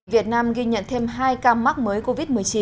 việt nam ghi nhận thêm hai ca mắc mới covid một mươi chín